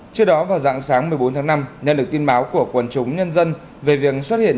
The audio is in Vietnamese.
trước đó vào dạng sáng một mươi bốn tháng năm nhân lực tin báo của quân chúng nhân dân về việc xuất hiện